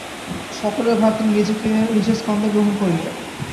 সকলের ভার তিনি নিজের স্কন্ধে গ্রহণ করিলেন।